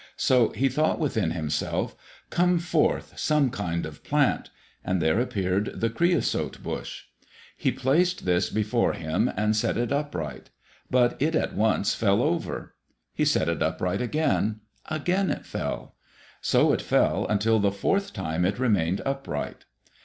So he thought within himself, "Come forth, some kind of plant," and there appeared the creosote bush. He placed this before him and set it upright. But it at once fell over. He set it upright again; again it fell. So it fell until the fourth time it remained upright.